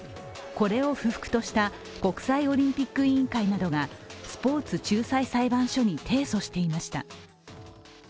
これを不服とした国際オリンピック委員会などがスポーツ仲裁裁判所に提訴していました。